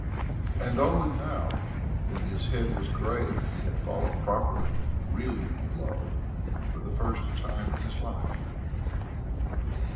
And only now when his head was grey he had fallen properly, really in love for the first time in his life.